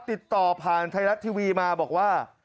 ติดต่อผ่านไทยรัฐทีวีมาบอกว่า